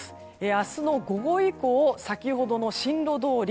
明日の午後以降先ほどの進路どおり